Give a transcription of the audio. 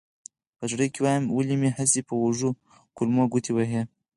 په زړه کې وایم ولې مې هسې په وږو کولمو ګوتې وهې.